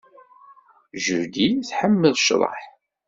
Judy tḥemmel ccḍeḥ.